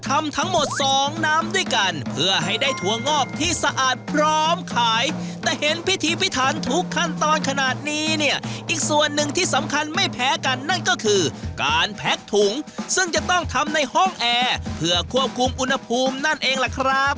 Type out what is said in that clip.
ทำทั้งหมดสองน้ำด้วยกันเพื่อให้ได้ถั่วงอกที่สะอาดพร้อมขายแต่เห็นพิธีพิถันทุกขั้นตอนขนาดนี้เนี่ยอีกส่วนหนึ่งที่สำคัญไม่แพ้กันนั่นก็คือการแพ็กถุงซึ่งจะต้องทำในห้องแอร์เพื่อควบคุมอุณหภูมินั่นเองล่ะครับ